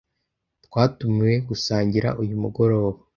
Twatumiwe gusangira uyu mugoroba.